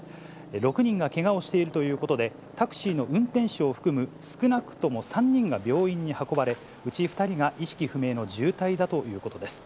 ６人がけがをしているということで、タクシーの運転手を含む少なくとも３人が病院に運ばれ、うち２人が意識不明の重体だということです。